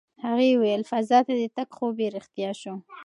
هغې وویل فضا ته د تګ خوب یې رښتیا شو.